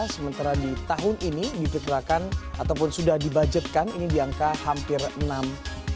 sementara di tahun ini diperkirakan ataupun sudah dibudgetkan ini di angka hampir rp enam